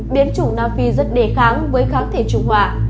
biến chủng nam phi rất đề kháng với kháng thể trùng họa